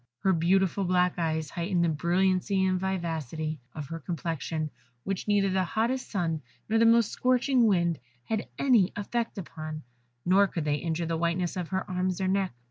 Her beautiful black eyes heightened the brilliancy and vivacity of her complexion, which neither the hottest sun nor the most scorching wind had any effect upon, nor could they injure the whiteness of her arms or neck.